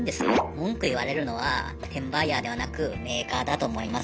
文句言われるのは転売ヤーではなくメーカーだと思います。